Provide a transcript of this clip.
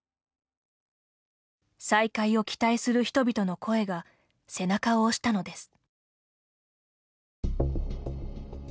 再開を期待する人々の声が背中を押したのです。